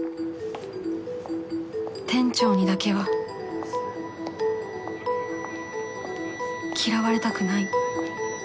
店長にだけは嫌われたくない